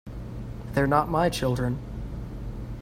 They're not my children.